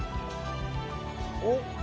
おっ？